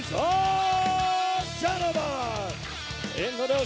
ทุกท่านทุกท่าน